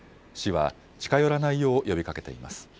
市は近寄らないよう呼びかけています。